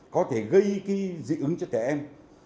có thể gây dị ứng cho trẻ em